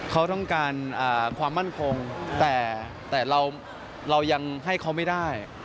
เขาต้องการความมั่นคงแต่เรายังให้เขาไม่ได้